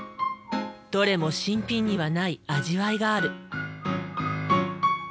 どれも新品にはない味わいがある。